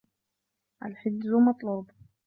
الحجز مطلوب.